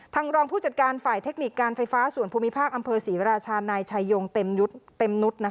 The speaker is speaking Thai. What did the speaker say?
รองผู้จัดการฝ่ายเทคนิคการไฟฟ้าส่วนภูมิภาคอำเภอศรีราชานายชายงเต็มนุษย์